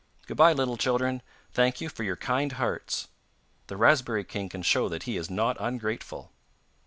Good bye, little children, thank you for your kind hearts; the raspberry king can show that he is not ungrateful.